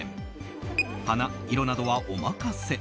花、色などはお任せ。